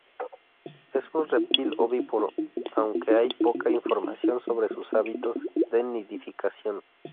Es un reptil ovíparo, aunque hay poca información sobre sus hábitos de nidificación.